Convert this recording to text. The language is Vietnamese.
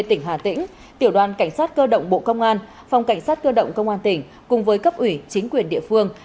tỉnh hà tĩnh tiểu đoàn cảnh sát cơ động bộ công an phòng cảnh sát cơ động công an tỉnh cùng với cấp ủy chính quyền địa phương